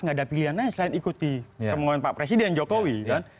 gak ada pilihan lain selain ikuti kemungkinan pak presiden jokowi kan